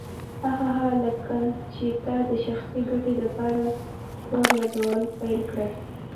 هه هه هه لکه چې تا د شخصي ګټې دپاره تور لګول پيل کړه.